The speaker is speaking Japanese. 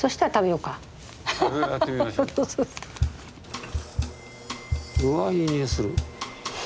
うわっいい匂いする。